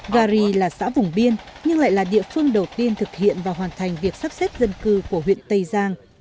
gari là xã vùng biên nhưng lại là địa phương đầu tiên thực hiện và hoàn thành việc sắp xếp dân cư của huyện tây giang